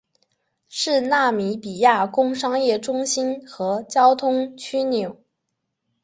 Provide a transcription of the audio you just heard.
是纳米比亚工商业中心和交通枢纽。